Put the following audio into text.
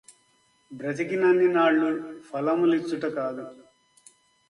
బ్రతికినన్నినాళ్ళు ఫలము లిచ్చుట గాదు